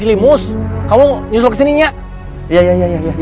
pergi buat bedah untuk habiskan perhatian saya